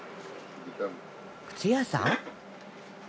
靴屋さん？